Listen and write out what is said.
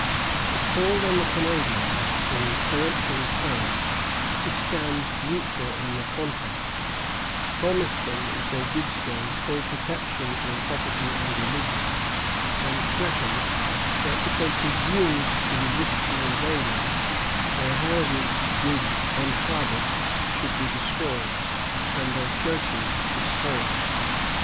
It called on the Canadians, in peremptory terms, to stand neutral in the contest, promised them, if they did so, full protection in property and religion, and threatened that, if they presumed to resist the invaders, their houses, goods, and harvests should be destroyed, and their churches despoiled.